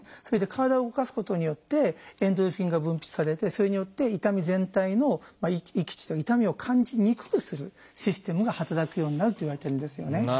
それで体を動かすことによってエンドルフィンが分泌されてそれによって痛み全体の閾値痛みを感じにくくするシステムが働くようになるといわれてるんですよね。